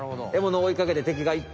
おいかけて敵がいって。